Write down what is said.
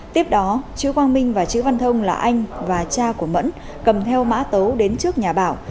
tiếp đó chữ quang minh và chữ văn thông là anh và cha của mẫn cầm theo mã tấu đến trước nhà bảo